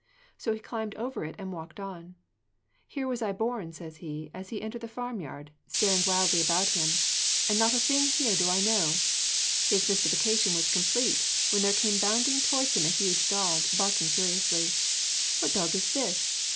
So he climbed over it and walked on. 'Here was I born,' said he, as he entered the farmyard, staring wildly about him, 'and not a thing here do I know!' His mystification was complete when there came bounding towards him a huge dog, barking furiously. 'What dog is this?